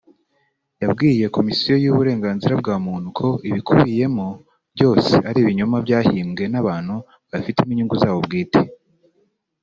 yabwiye Komisiyo y’Uburenganzira bwa muntu ko ibikubiyemo byose ari ibinyoma byahimbwe n’abantu babifitemo inyungu zabo bwite